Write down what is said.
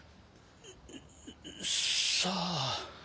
さあ？